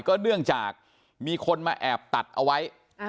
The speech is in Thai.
เนื่องจากมีคนมาแอบตัดเอาไว้